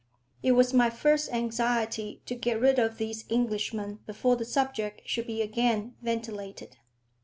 It was my first anxiety to get rid of these Englishmen before the subject should be again ventilated.